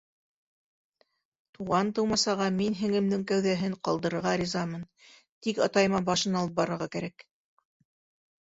Туған-тыумасаға мин һеңлемдең кәүҙәһен ҡалдырырға ризамын, тик атайыма башын алып барырға кәрәк.